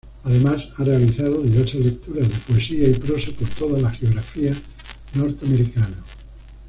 Además ha realizado diversas lecturas de poesía y prosa por toda la geografía norteamericana.